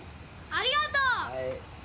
ありがとう！